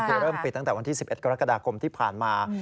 คือเริ่มปิดตั้งแต่วันที่๑๑กรกฎาคมที่ผ่านมา